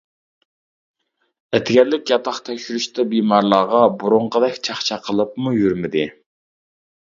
ئەتىگەنلىك ياتاق تەكشۈرۈشتە بىمارلارغا بۇرۇنقىدەك چاقچاق قىلىپمۇ يۈرمىدى.